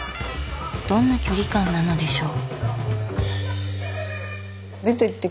どんな距離感なのでしょう。